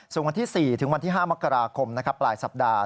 ส่วนวันที่๔๕มกราคมปลายสัปดาห์